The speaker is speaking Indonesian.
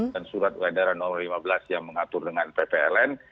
dan surat uladaran nomor lima belas yang mengatur dengan ppln